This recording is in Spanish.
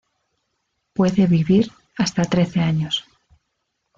Puede vivir hasta trece años.